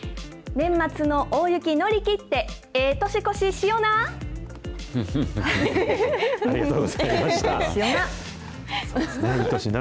年末の大雪乗り切って、ええ年越ししよな。